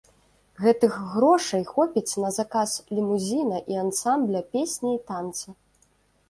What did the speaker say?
Гэтых грошай хопіць на заказ лімузіна і ансамбля песні і танца.